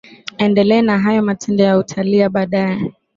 Endele na hayo matendo na utalia baadaye